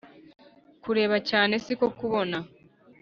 kureba cyane si ko kubona